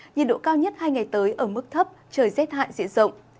nhiệt độ cao nhất hai ngày tới ở mức thấp trời z hại diễn rộng